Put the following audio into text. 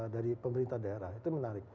dari pemerintah daerah itu menarik